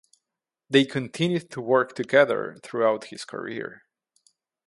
They continued to work together throughout his career.